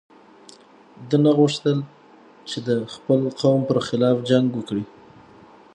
ده نه غوښتل چې د خپل قوم پر خلاف جنګ وکړي.